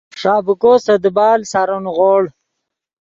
ݰابیکو سے دیبال سارو نیغوڑ